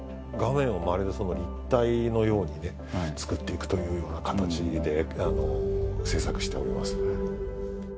画面をまるで立体のようにねつくって行くというような形で制作しております。